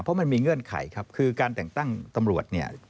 เพราะมันมีเงื่อนไขครับคือการแต่งตั้งตำรวจเนี่ย